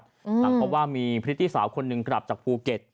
อืมตั้งเพราะว่ามีพระธิสาวคนหนึ่งกลับจากภูเก็ต